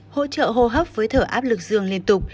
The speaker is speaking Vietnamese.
hỗ trợ hô hấp với thở áp lực dương liên tục